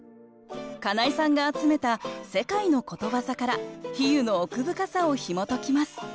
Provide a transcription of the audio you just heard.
金井さんが集めた世界のことわざから比喩の奥深さをひもときます